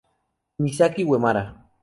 Misaki Uemura